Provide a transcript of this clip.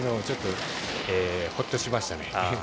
ちょっとホッとしましたね。